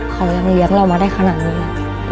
เขายังเลี้ยงเรามาได้ขนาดนี้